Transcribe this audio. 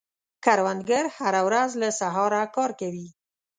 کروندګر هره ورځ له سهاره کار کوي